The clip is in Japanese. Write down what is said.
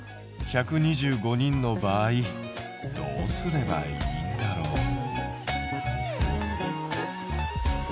１２５人の場合どうすればいいんだろう？